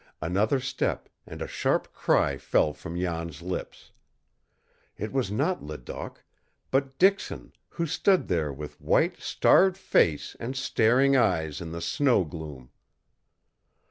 Another step, and a sharp cry fell from Jan's lips. It was not Ledoq, but Dixon, who stood there with white, starved face and staring eyes in the snow gloom!